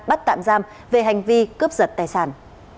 bắt tạm giam về hành vi cướp giật tài sản